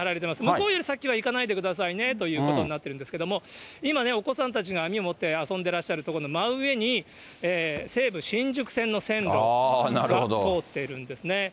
向こうより先は行かないでくださいねということになってるんですけれども、今、お子さんたちが網を持って遊んでらっしゃる所の真上に、西武新宿線の線路が通っているんですね。